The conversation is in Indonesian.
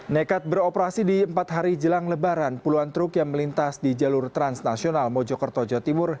nekat beroperasi di empat hari jelang lebaran puluhan truk yang melintas di jalur transnasional mojokerto jawa timur